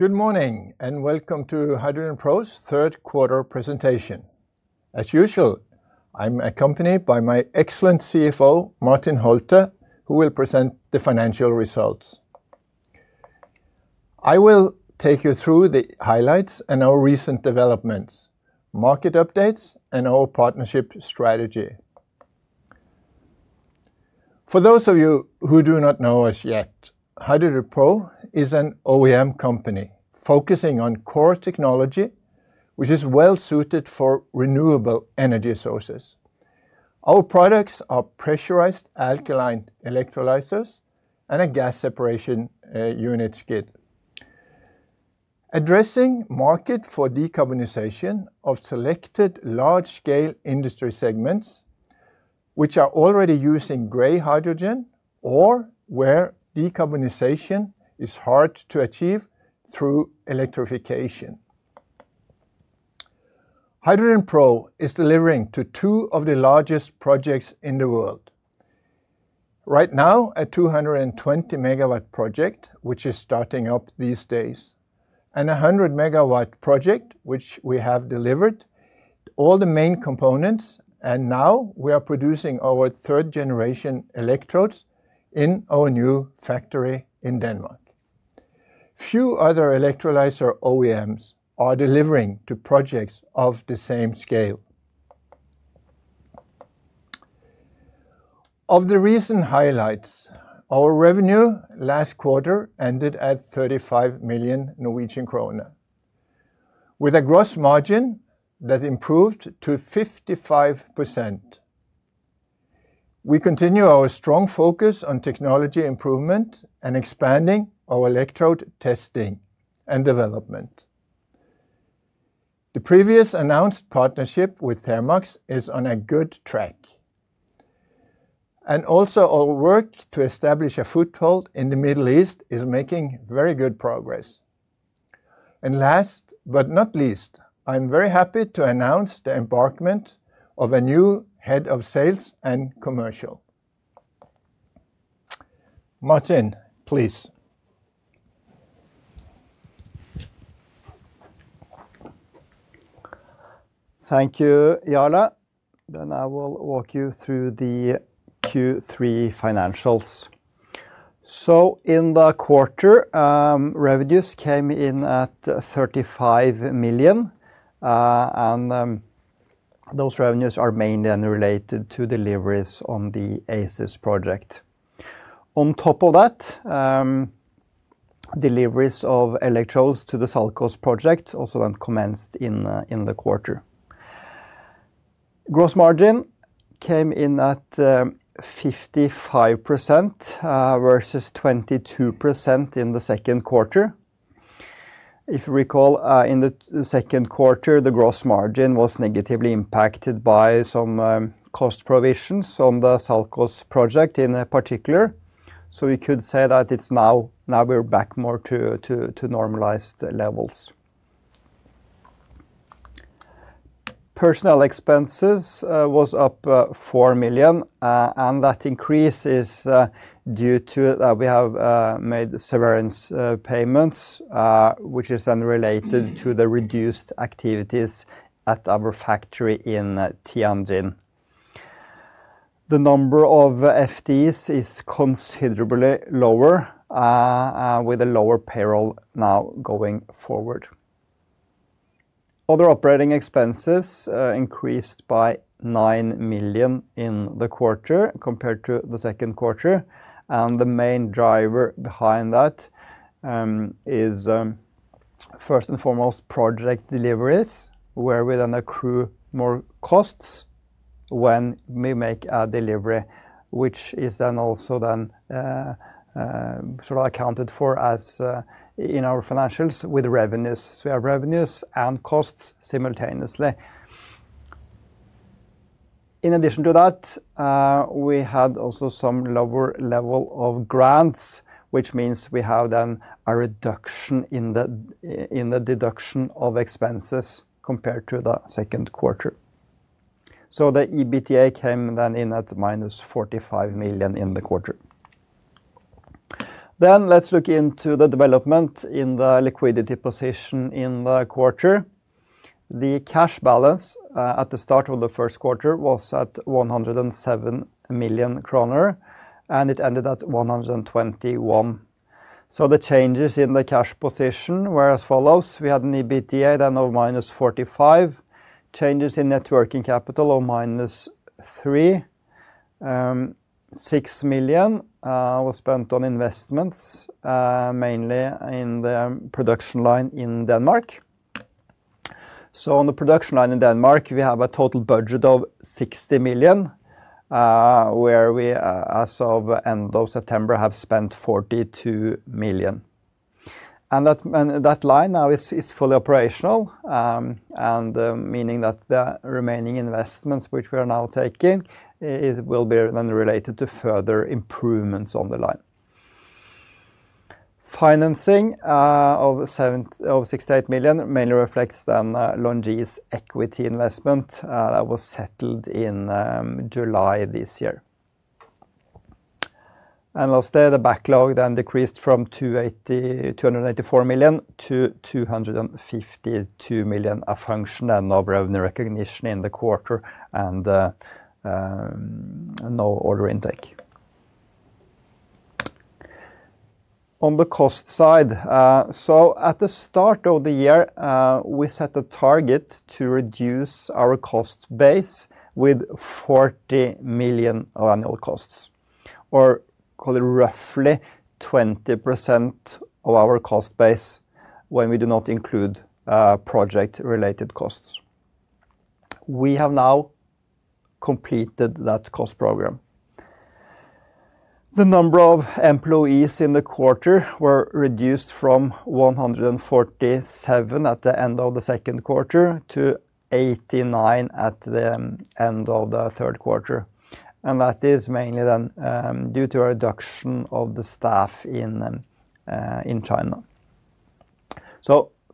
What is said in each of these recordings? Good morning and welcome to HydrogenPro's third quarter presentation. As usual, I'm accompanied by my excellent CFO, Martin Holter, who will present the financial results. I will take you through the highlights and our recent developments, market updates, and our partnership strategy. For those of you who do not know us yet, HydrogenPro is an OEM company focusing on core technology, which is well suited for renewable energy sources. Our products are pressurized alkaline electrolyzers and a gas separation unit skid. Addressing market for decarbonization of selected large-scale industry segments, which are already using gray hydrogen or where decarbonization is hard to achieve through electrification. HydrogenPro is delivering to two of the largest projects in the world. Right now, a 220 megawatt project, which is starting up these days, and a 100 megawatt project, which we have delivered all the main components. We are now producing our third generation electrodes in our new factory in Denmark. Few other electrolyzer OEMs are delivering to projects of the same scale. Of the recent highlights, our revenue last quarter ended at 35 million Norwegian krone, with a gross margin that improved to 55%. We continue our strong focus on technology improvement and expanding our electrode testing and development. The previously announced partnership with Thermax is on a good track. Our work to establish a foothold in the Middle East is making very good progress. Last but not least, I am very happy to announce the embarkment of a new Head of Sales and Commercial. Martin, please. Thank you, Jarle. I will walk you through the Q3 financials. In the quarter, revenues came in at 35 million, and those revenues are mainly related to deliveries on the ASUS project. On top of that, deliveries of electrodes to the SALCOS project also commenced in the quarter. Gross margin came in at 55% versus 22% in the second quarter. If you recall, in the second quarter, the gross margin was negatively impacted by some cost provisions on the SALCOS project in particular. We could say that now we are back more to normalized levels. Personnel expenses was up 4 million, and that increase is due to the fact that we have made severance payments, which is related to the reduced activities at our factory in Tianjin. The number of FDs is considerably lower, with a lower payroll now going forward. Other operating expenses increased by 9 million in the quarter compared to the second quarter. The main driver behind that is, first and foremost, project deliveries, where we then accrue more costs when we make a delivery, which is then also then sort of accounted for as in our financials with revenues. We have revenues and costs simultaneously. In addition to that, we had also some lower level of grants, which means we have then a reduction in the deduction of expenses compared to the second quarter. The EBITDA came then in at minus 45 million in the quarter. Let's look into the development in the liquidity position in the quarter. The cash balance at the start of the first quarter was at 107 million kroner, and it ended at 121 million. The changes in the cash position were as follows. We had an EBITDA then of minus 45 million, changes in net working capital of minus 3 million, 6 million was spent on investments, mainly in the production line in Denmark. On the production line in Denmark, we have a total budget of 60 million, where we as of end of September have spent 42 million. That line now is fully operational, meaning that the remaining investments, which we are now taking, will be then related to further improvements on the line. Financing of 68 million mainly reflects then LONGi's equity investment that was settled in July this year. Lastly, the backlog then decreased from 284 million to 252 million, a function then of revenue recognition in the quarter and no order intake. On the cost side, at the start of the year, we set a target to reduce our cost base with 40 million of annual costs, or call it roughly 20% of our cost base when we do not include project-related costs. We have now completed that cost program. The number of employees in the quarter were reduced from 147 at the end of the second quarter to 89 at the end of the third quarter. That is mainly then due to a reduction of the staff in China.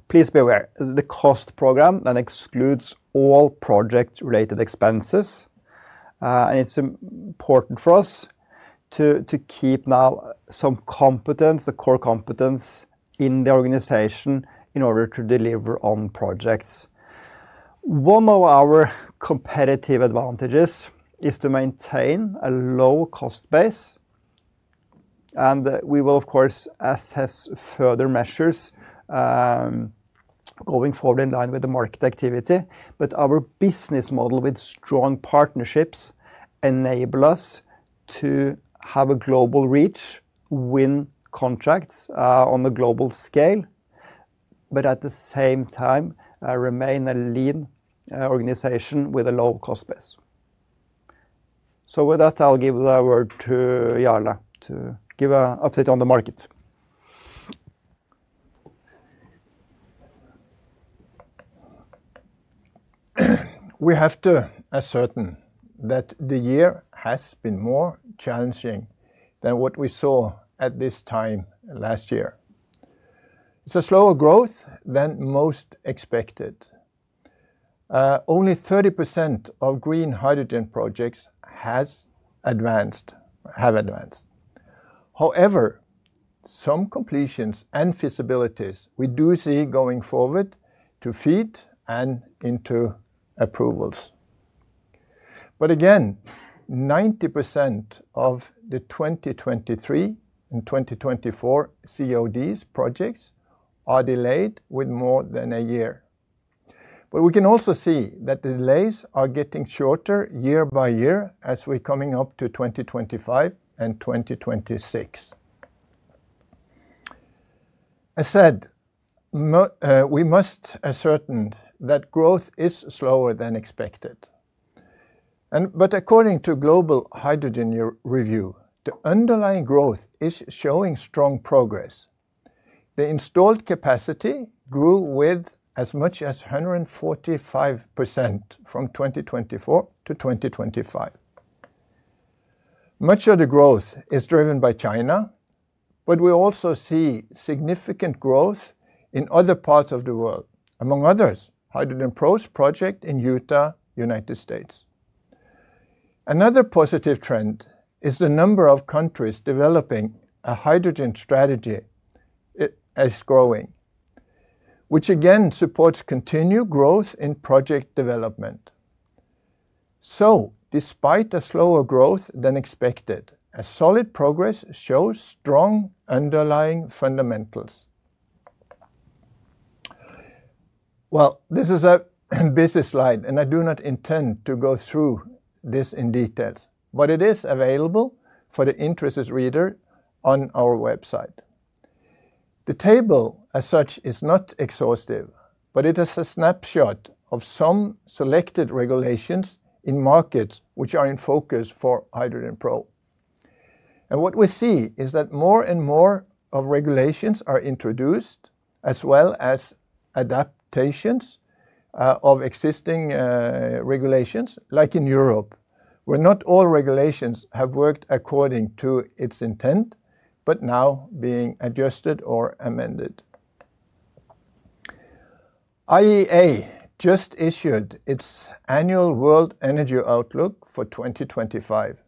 Please be aware, the cost program then excludes all project-related expenses. It is important for us to keep now some competence, the core competence in the organization in order to deliver on projects. One of our competitive advantages is to maintain a low cost base. We will, of course, assess further measures going forward in line with the market activity. Our business model with strong partnerships enables us to have a global reach, win contracts on a global scale, but at the same time remain a lean organization with a low cost base. With that, I'll give the word to Jarle to give an update on the market. We have to assert that the year has been more challenging than what we saw at this time last year. It's a slower growth than most expected. Only 30% of green hydrogen projects have advanced. However, some completions and feasibilities we do see going forward to FEED and into approvals. Again, 90% of the 2023 and 2024 CODs projects are delayed with more than a year. We can also see that the delays are getting shorter year by year as we're coming up to 2025 and 2026. As said, we must assert that growth is slower than expected. According to Global Hydrogen Review, the underlying growth is showing strong progress. The installed capacity grew with as much as 145% from 2024 to 2025. Much of the growth is driven by China, but we also see significant growth in other parts of the world, among others, HydrogenPro's project in Utah, United States. Another positive trend is the number of countries developing a hydrogen strategy is growing, which again supports continued growth in project development. Despite a slower growth than expected, solid progress shows strong underlying fundamentals. This is a busy slide, and I do not intend to go through this in detail, but it is available for the interested reader on our website. The table as such is not exhaustive, but it is a snapshot of some selected regulations in markets which are in focus for HydrogenPro. What we see is that more and more regulations are introduced, as well as adaptations of existing regulations, like in Europe, where not all regulations have worked according to its intent, but now being adjusted or amended. IEA just issued its annual World Energy Outlook for 2025.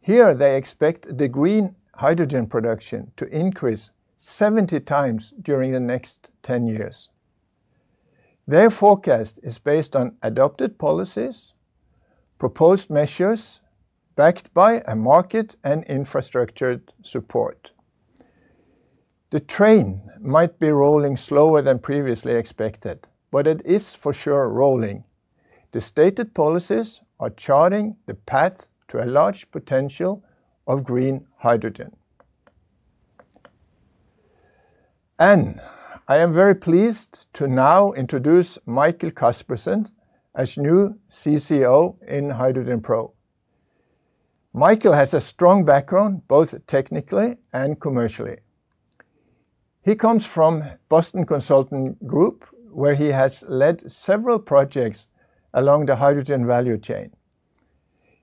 Here they expect the green hydrogen production to increase 70 times during the next 10 years. Their forecast is based on adopted policies, proposed measures backed by a market and infrastructure support. The train might be rolling slower than previously expected, but it is for sure rolling. The stated policies are charting the path to a large potential of green hydrogen. I am very pleased to now introduce Michael Caspersen as new CCO in HydrogenPro. Michael has a strong background both technically and commercially. He comes from Boston Consulting Group, where he has led several projects along the hydrogen value chain.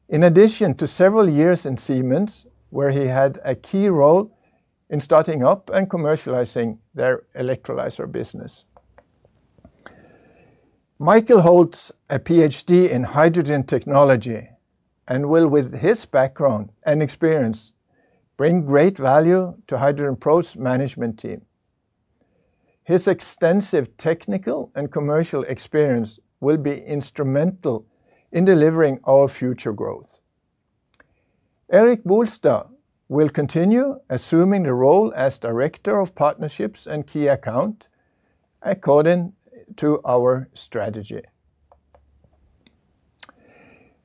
In addition to several years in Siemens, where he had a key role in starting up and commercializing their electrolyzer business. Michael holds a PhD in hydrogen technology and will, with his background and experience, bring great value to HydrogenPro's management team. His extensive technical and commercial experience will be instrumental in delivering our future growth. Eric Vaillancourt will continue assuming the role as Director of Partnerships and Key Account according to our strategy.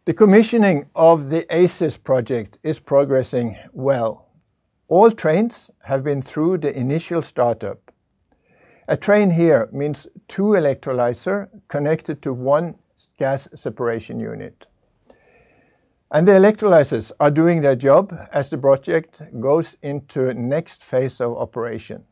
The commissioning of the ASUS project is progressing well. All trains have been through the initial startup. A train here means two electrolyzers connected to one gas separation unit. The electrolyzers are doing their job as the project goes into the next phase of operation.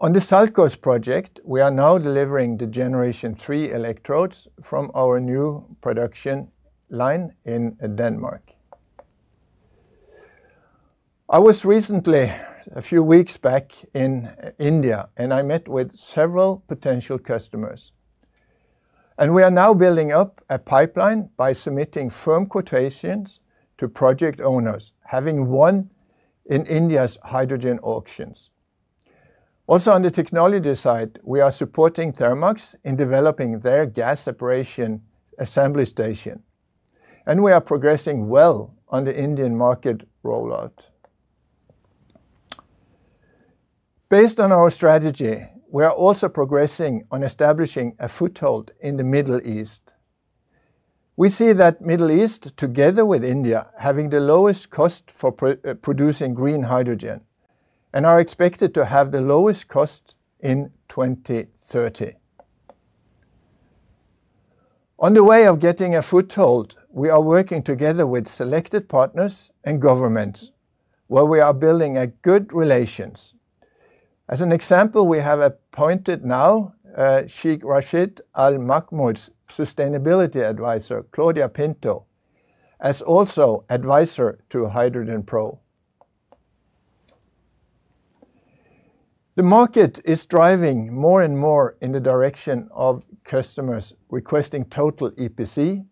On the SALCOS project, we are now delivering the generation three electrodes from our new production line in Denmark. I was recently, a few weeks back in India, and I met with several potential customers. We are now building up a pipeline by submitting firm quotations to project owners, having won in India's hydrogen auctions. Also on the technology side, we are supporting Thermax in developing their gas separation assembly station. We are progressing well on the Indian market rollout. Based on our strategy, we are also progressing on establishing a foothold in the Middle East. We see that Middle East, together with India, having the lowest cost for producing green hydrogen and are expected to have the lowest costs in 2030. On the way of getting a foothold, we are working together with selected partners and governments, where we are building good relations. As an example, we have appointed now Sheikh Rashid Al-Mahmoud's sustainability advisor, Claudia Pinto, as also advisor to HydrogenPro. The market is driving more and more in the direction of customers requesting total EPC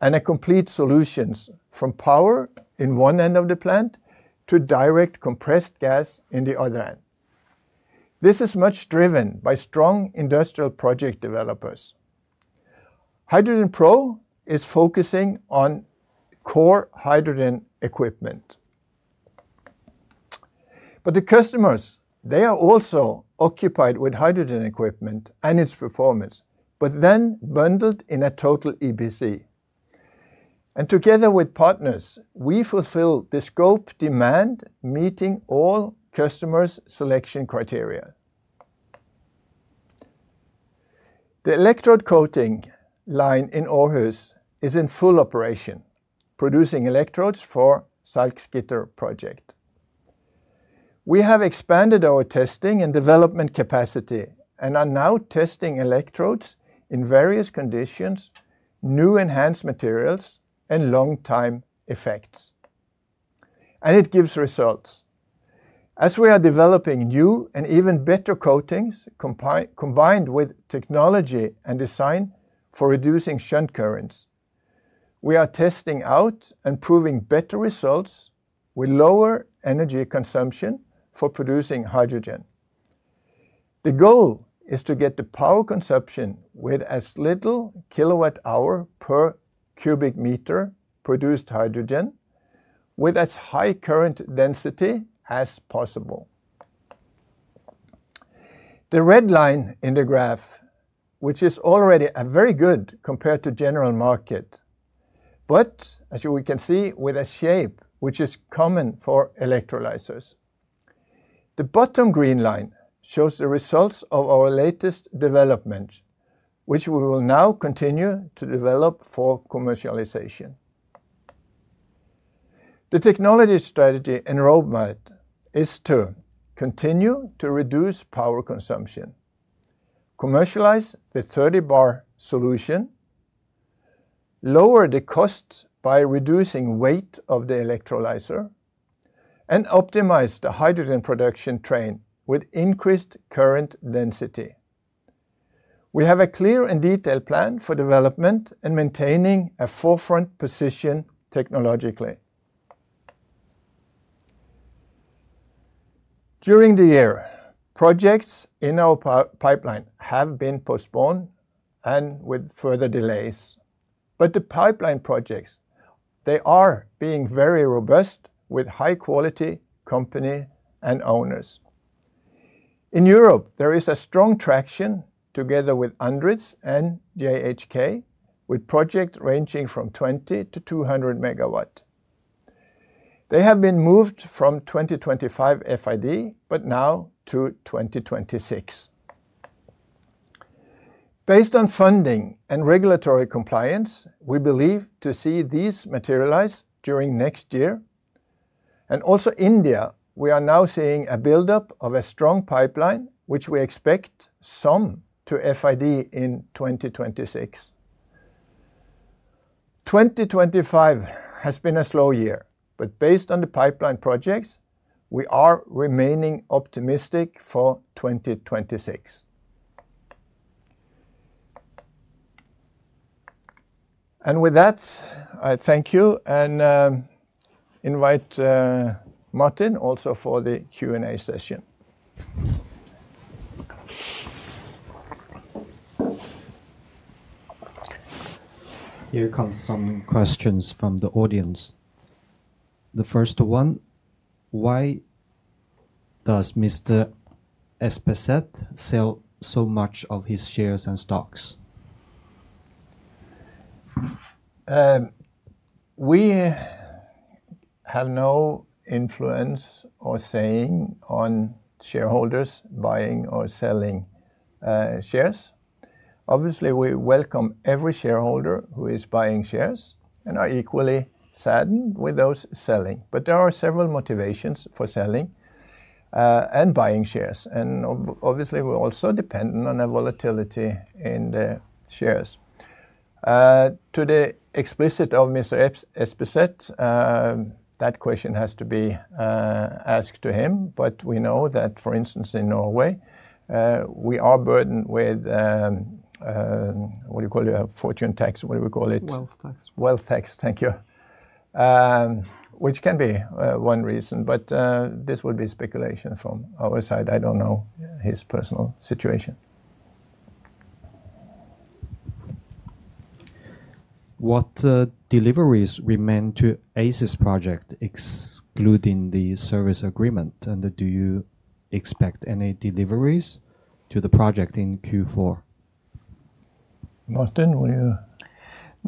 and complete solutions from power in one end of the plant to direct compressed gas in the other end. This is much driven by strong industrial project developers. HydrogenPro is focusing on core hydrogen equipment. The customers, they are also occupied with hydrogen equipment and its performance, but then bundled in a total EPC. Together with partners, we fulfill the scope demand meeting all customers' selection criteria. The electrode coating line in Aarhus is in full operation, producing electrodes for the SALCOS Gitter project. We have expanded our testing and development capacity and are now testing electrodes in various conditions, new enhanced materials, and long-time effects. It gives results. As we are developing new and even better coatings combined with technology and design for reducing shunt currents, we are testing out and proving better results with lower energy consumption for producing hydrogen. The goal is to get the power consumption with as little kilowatt-hour per cubic meter produced hydrogen, with as high current density as possible. The red line in the graph, which is already very good compared to the general market, but as we can see with a shape which is common for electrolyzers. The bottom green line shows the results of our latest development, which we will now continue to develop for commercialization. The technology strategy in roadmap is to continue to reduce power consumption, commercialize the 30-bar solution, lower the costs by reducing weight of the electrolyzer, and optimize the hydrogen production train with increased current density. We have a clear and detailed plan for development and maintaining a forefront position technologically. During the year, projects in our pipeline have been postponed with further delays. The pipeline projects, they are being very robust with high-quality company and owners. In Europe, there is strong traction together with Andritz and JHK with projects ranging from 20-200 megawatt. They have been moved from 2025 FID to 2026. Based on funding and regulatory compliance, we believe to see these materialize during next year. In India, we are now seeing a buildup of a strong pipeline, which we expect some to FID in 2026. 2025 has been a slow year, but based on the pipeline projects, we are remaining optimistic for 2026. With that, I thank you and invite Martin also for the Q&A session. Here come some questions from the audience. The first one, why does Mr. Espeseth sell so much of his shares and stocks? We have no influence or say on shareholders buying or selling shares. Obviously, we welcome every shareholder who is buying shares and are equally saddened with those selling. There are several motivations for selling and buying shares. Obviously, we are also dependent on the volatility in the shares. To the explicit of Mr. Espeseth, that question has to be asked to him. We know that, for instance, in Norway, we are burdened with, what do you call it? Fortune tax? What do we call it? Wealth tax. Wealth tax. Thank you. Which can be one reason, but this would be speculation from our side. I do not know his personal situation. What deliveries remain to ASUS project, excluding the service agreement? Do you expect any deliveries to the project in Q4? Martin, will you?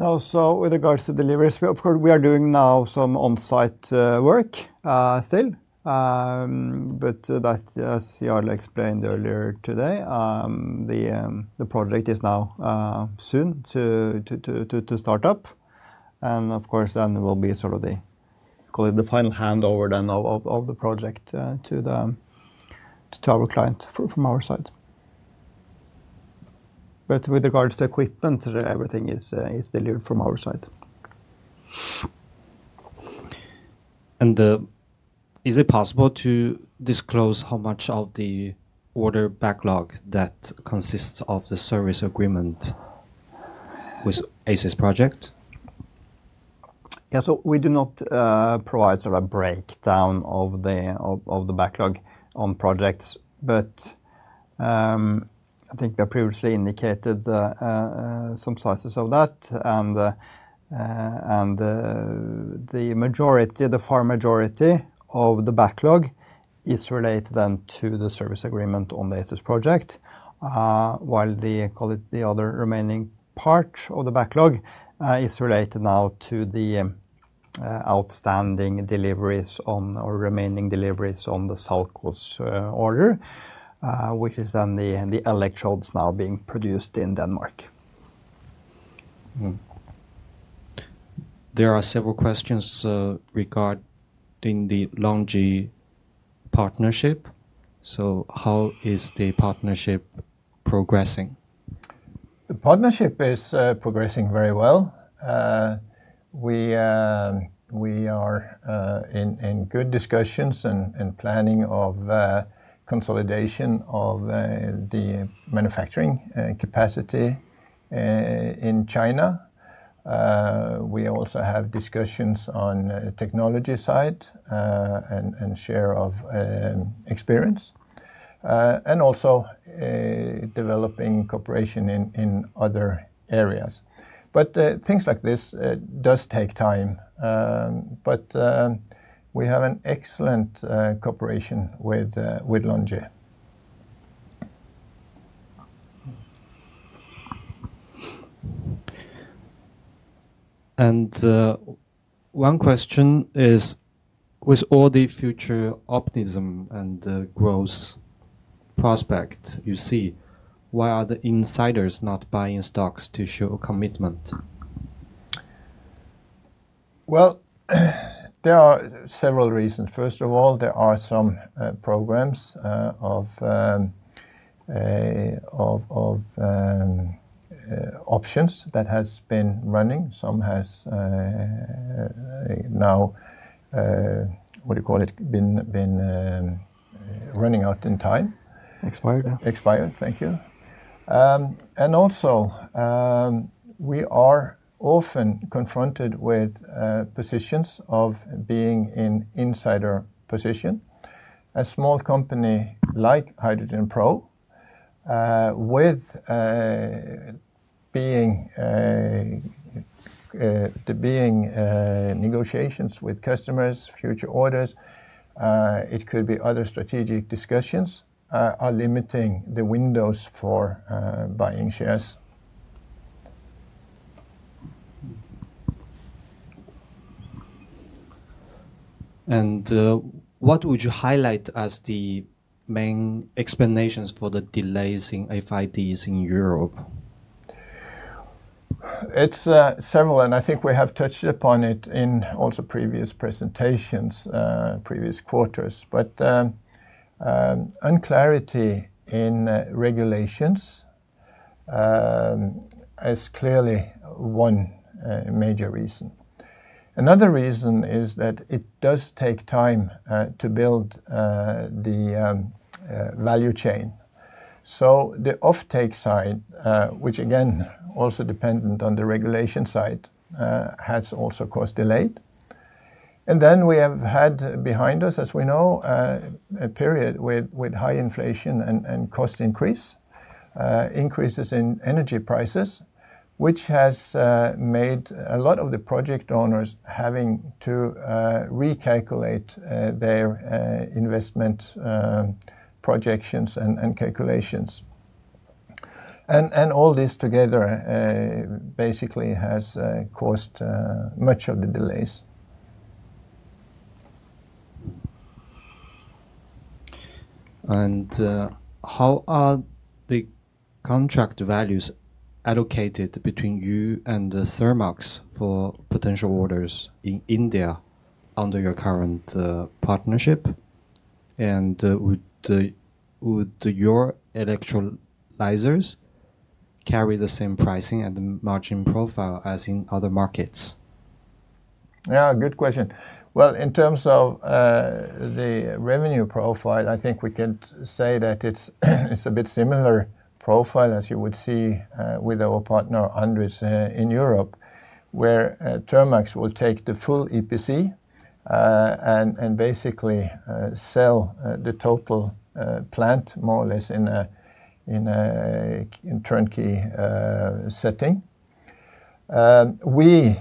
No, so with regards to deliveries, of course, we are doing now some on-site work still. As Jarle explained earlier today, the project is now soon to start up. There will be sort of the, call it the final handover then of the project to our client from our side. With regards to equipment, everything is delivered from our side. Is it possible to disclose how much of the order backlog that consists of the service agreement with ASUS project? Yeah, we do not provide sort of a breakdown of the backlog on projects, but I think we have previously indicated some sizes of that. The majority, the far majority of the backlog is related then to the service agreement on the ASUS project, while the other remaining part of the backlog is related now to the outstanding deliveries on or remaining deliveries on the SALCOS order, which is then the electrodes now being produced in Denmark. There are several questions regarding the LONGi partnership. How is the partnership progressing? The partnership is progressing very well. We are in good discussions and planning of consolidation of the manufacturing capacity in China. We also have discussions on the technology side and share of experience. We are also developing cooperation in other areas. Things like this do take time. We have an excellent cooperation with LONGi. One question is, with all the future optimism and growth prospect you see, why are the insiders not buying stocks to show commitment? There are several reasons. First of all, there are some programs of options that have been running. Some have now, what do you call it, been running out in time. Expired? Expired. Thank you. Also, we are often confronted with positions of being in insider position. A small company like HydrogenPro, with the being negotiations with customers, future orders, it could be other strategic discussions, are limiting the windows for buying shares. What would you highlight as the main explanations for the delays in FIDs in Europe? It's several, and I think we have touched upon it in also previous presentations, previous quarters. Unclarity in regulations is clearly one major reason. Another reason is that it does take time to build the value chain. The offtake side, which again, also dependent on the regulation side, has also caused delay. We have had behind us, as we know, a period with high inflation and cost increase, increases in energy prices, which has made a lot of the project owners having to recalculate their investment projections and calculations. All this together basically has caused much of the delays. How are the contract values allocated between you and Thermax for potential orders in India under your current partnership? Would your electrolyzers carry the same pricing and margin profile as in other markets? Good question. In terms of the revenue profile, I think we can say that it is a bit similar profile as you would see with our partner Andritz in Europe, where Thermax will take the full EPC and basically sell the total plant more or less in a turnkey setting. We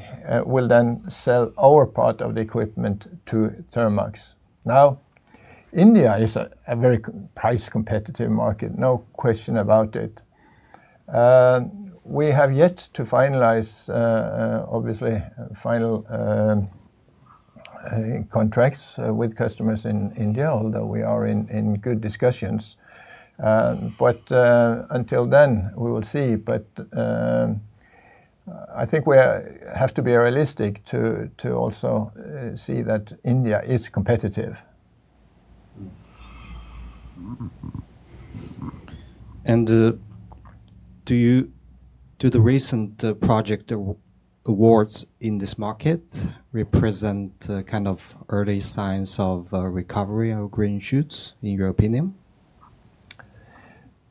will then sell our part of the equipment to Thermax. Now, India is a very price competitive market, no question about it. We have yet to finalize, obviously, final contracts with customers in India, although we are in good discussions. Until then, we will see. I think we have to be realistic to also see that India is competitive. Do the recent project awards in this market represent kind of early signs of recovery or green shoots, in your opinion?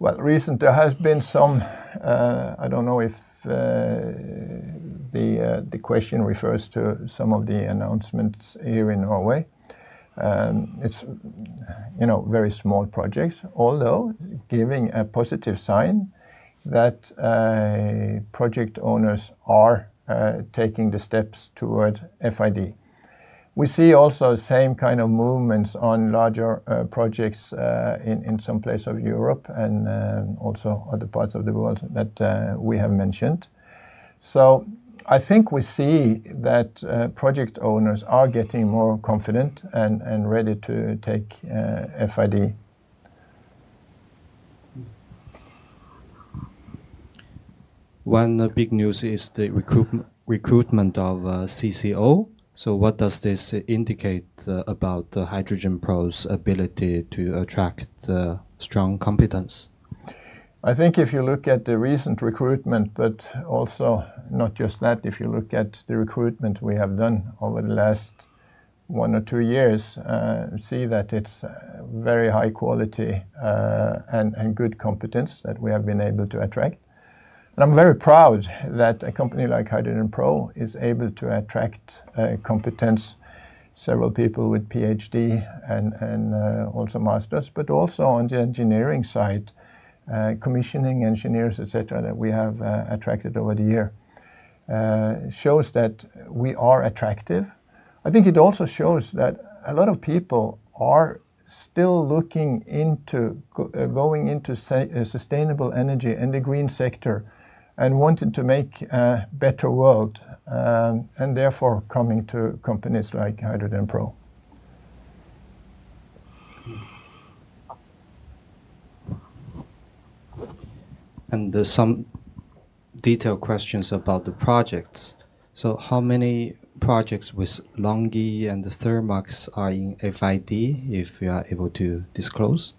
Recently, there has been some, I do not know if the question refers to some of the announcements here in Norway. It is very small projects, although giving a positive sign that project owners are taking the steps toward FID. We see also the same kind of movements on larger projects in some places of Europe and also other parts of the world that we have mentioned. I think we see that project owners are getting more confident and ready to take FID. One big news is the recruitment of CCO. What does this indicate about HydrogenPro's ability to attract strong competence? I think if you look at the recent recruitment, but also not just that, if you look at the recruitment we have done over the last one or two years, you see that it is very high quality and good competence that we have been able to attract. I am very proud that a company like HydrogenPro is able to attract competence, several people with PhD and also master's, but also on the engineering side, commissioning engineers, etc., that we have attracted over the year. It shows that we are attractive. I think it also shows that a lot of people are still looking into going into sustainable energy and the green sector and wanting to make a better world and therefore coming to companies like HydrogenPro. There are some detailed questions about the projects. How many projects with LONGi and Thermax are in FID, if you are able to disclose?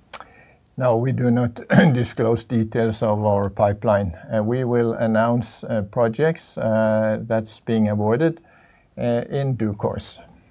No, we do not disclose details of our pipeline. We will announce projects that are being awarded in due course.